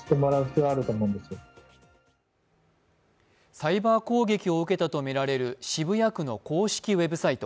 サイバー攻撃を受けたとみられる渋谷区の公式ウェブサイト。